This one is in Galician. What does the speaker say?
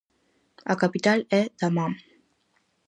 A capital é Daman.